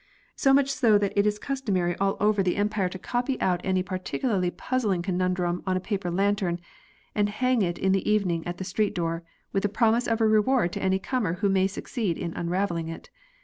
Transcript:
So much so that it is customary all over the 76 GAMES AND GAMBLING. Empire to copy out any particularly puzzling conun drum on a paper lantern, and hang it in the evening at the street door, with the promise of a reward to any comer who may succeed in unravelling it.